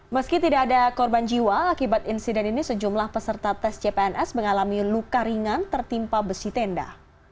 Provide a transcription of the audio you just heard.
meski tidak ada korban jiwa akibat insiden ini sejumlah peserta tes cpns mengalami luka ringan tertimpa besi tenda